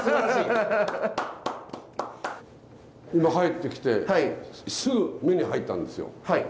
今入ってきてすぐ目に入ったんですよ。